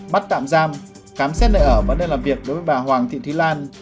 bắt tạm giam khám xét nơi ở và nơi làm việc đối với bà hoàng thị thúy lan